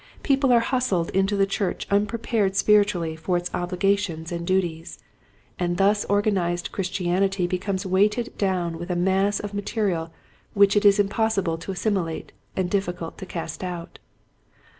People are hustled into the church unprepared spiritually for its obligations Ii6 Quiet Hints to Growing Preachers. and duties, and thus organized Christianity becomes weighted down with a mass of material which it is impossible to assimi late and difficult to cast out.